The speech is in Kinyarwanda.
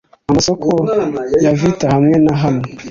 amasoko ya vittles hamwe na hamwe